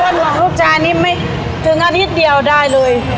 เวลาหลวงลูกจ้านิ่มถึงอาทิตย์เดียวได้เลย